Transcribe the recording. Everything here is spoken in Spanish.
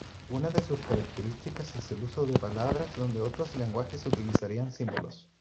Una de sus características es el uso de palabras donde otros lenguajes utilizarían símbolos.